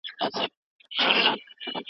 روسي مامور ته د هېټلر نوم ډېر بد ښکارېده.